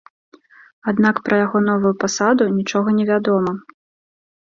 Аднак пра яго новую пасаду нічога невядома.